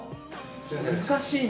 難しいね。